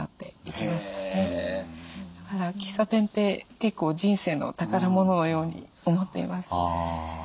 だから喫茶店って結構人生の宝物のように思っています。